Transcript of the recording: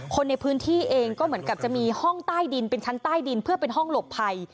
คนในพื้นที่เองก็เหมือนกับจะมีห้องใต้ดินเป็นชั้นใต้ดินเพื่อเป็นห้องหลบภัย